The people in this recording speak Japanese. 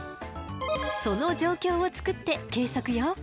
その状況を作って計測よ。